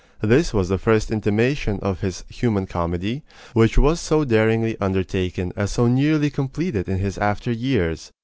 This was the first intimation of his "Human Comedy," which was so daringly undertaken and so nearly completed in his after years.